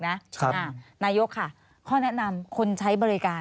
ข้อแนะนำคนใช้บริการ